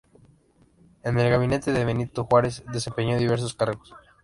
En el gabinete de Benito Juárez, desempeñó diversos cargos.